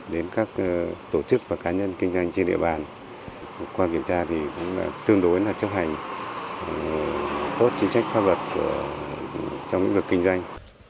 đến các tổ chức và cá nhân kinh doanh trên địa bàn qua kiểm tra thì cũng tương đối là chấp hành tốt chính trách pháp luật trong lĩnh vực kinh doanh